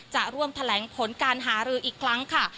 จะร่วมแถลงผลการหารืออีกครั้งค่ะ